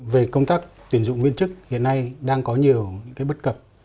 về công tác tuyển dụng viên chức hiện nay đang có nhiều những bất cập